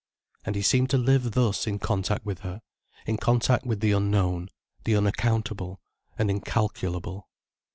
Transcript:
And he seemed to live thus in contact with her, in contact with the unknown, the unaccountable and incalculable.